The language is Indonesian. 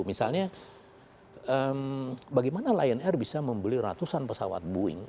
misalnya bagaimana lion air bisa membeli ratusan pesawat boeing